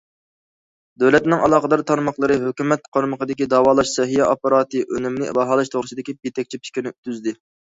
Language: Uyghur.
دۆلەتنىڭ ئالاقىدار تارماقلىرى ھۆكۈمەت قارمىقىدىكى داۋالاش، سەھىيە ئاپپاراتى ئۈنۈمىنى باھالاش توغرىسىدىكى يېتەكچى پىكىرنى تۈزىدۇ.